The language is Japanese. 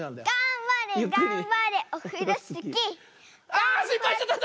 あしっぱいしちゃった！